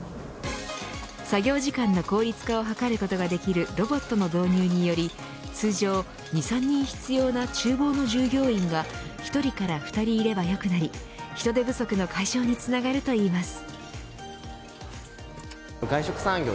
作業時間の効率化を図ることができるロボットの導入により通常２、３人必要な厨房の従業員が１人から２人いればよくなり人手不足の解消につながるといいます。